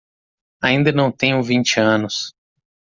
Ainda não tenho vinte anos